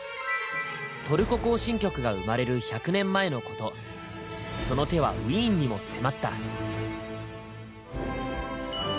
「トルコ行進曲」が生まれる１００年前のことその手はウィーンにも迫った。